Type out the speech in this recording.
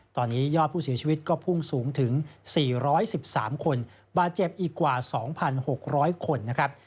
ตอนนี้ยอดผู้เสียชีวิตก็พุ่งสูงถึง๔๑๓คนบาดเจ็บอีกกว่า๒๖๐๐คนนะครับ